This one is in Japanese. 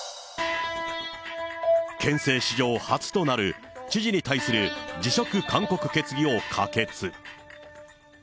県政史上初となる知事に対する辞職勧告決議を可決。